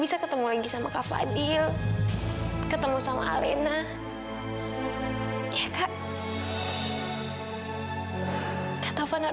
sampai jumpa di video selanjutnya